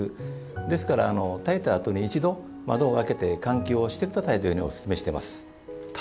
ですからたいたあとに一度、窓を開けて換気をしてくださいというふうにおすすめしています。